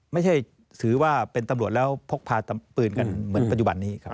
ไม่ใช่ถือว่าเป็นตำรวจแล้วพกพาปืนกันเหมือนปัจจุบันนี้ครับ